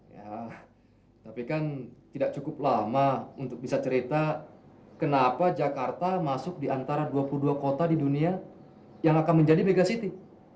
ya tapi kan tidak cukup lama untuk bisa cerita kenapa jakarta masuk di antara dua puluh dua kota di dunia yang akan menjadi mega city